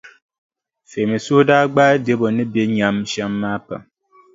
Femi suhu daa gbaai Debo ni be nyam shɛm maa pam.